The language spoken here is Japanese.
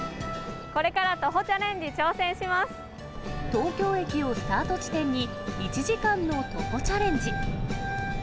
これから徒歩チャレンジ、東京駅をスタート地点に、１時間の徒歩チャレンジ。